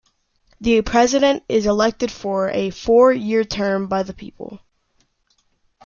The president is elected for a four-year term by the people.